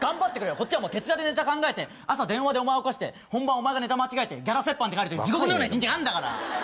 こっちは徹夜でネタ考えて朝電話でお前を起こして本番お前がネタ間違えてギャラ折半で帰るっていう地獄のような一日があるんだから。